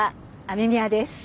雨宮です。